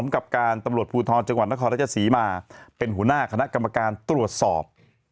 กับการตำรวจภูทรจังหวัดนครราชศรีมาเป็นหัวหน้าคณะกรรมการตรวจสอบ